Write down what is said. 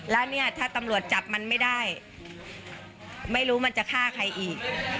แล้วเนี่ยถ้าตำรวจจับมันไม่ได้ไม่รู้มันจะฆ่าใครอีก